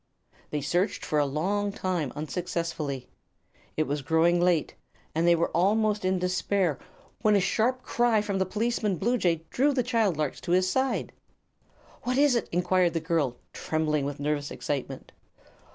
They searched for a long time unsuccessfully. It was growing late, and they were almost in despair, when a sharp cry from Policeman Bluejay drew the child larks to his side. "What is it?" enquired the girl, trembling with nervous excitement.